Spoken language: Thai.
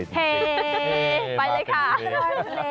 เห้ไปเลยคะ